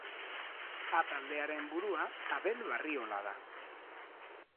A taldearen burua Abel Barriola da.